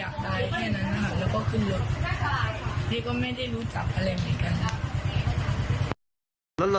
ได้แค่นั้นนะคะแล้วก็ขึ้นรถพี่ก็ไม่ได้รู้จักอะไรเหมือนกันนะ